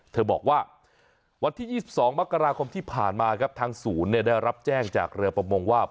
เธอบอกว่าวันที่๒๒มกราคมที่ผ่านมาครับทางศูนย์ได้รับแจ้งจากเรือประมงว่า